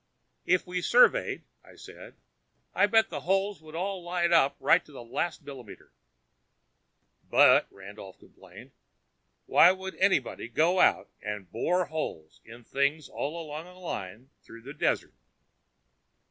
"If we surveyed," I said, "I bet the holes would all line up right to the last millimeter." "But," Randolph complained, "why would anybody go out and bore holes in things all along a line through the desert?"